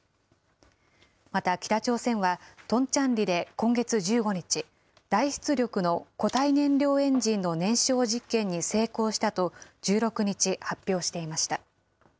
また、北朝鮮はトンチャンリで今月１５日、大出力の固体燃料エンジンの燃焼実験に成功したと、１６日、発表していました。